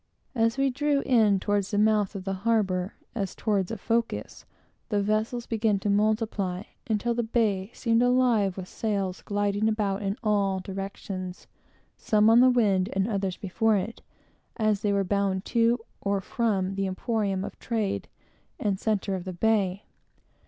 As we drew in toward the mouth of the harbor, as toward a focus, the vessels began to multiply until the bay seemed actually alive with sails gliding about in every direction; some on the wind, and others before it, as they were bound to or from the emporium of trade and centre of the bay.